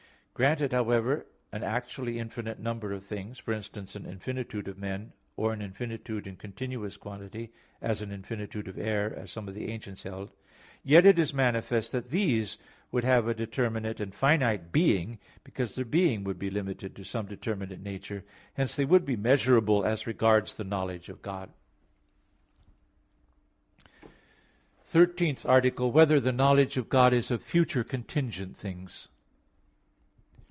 Granted, however, an actually infinite number of things, for instance, an infinitude of men, or an infinitude in continuous quantity, as an infinitude of air, as some of the ancients held; yet it is manifest that these would have a determinate and finite being, because their being would be limited to some determinate nature. Hence they would be measurable as regards the knowledge of God. _______________________ THIRTEENTH ARTICLE [I, Q. 14, Art. 13] Whether the Knowledge of God Is of Future Contingent Things?